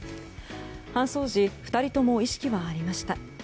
搬送時２人とも意識はありました。